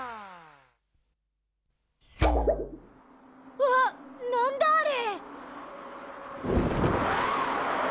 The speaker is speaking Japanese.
うわっなんだあれ。